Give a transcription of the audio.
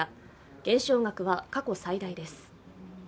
減少額は過去最大です。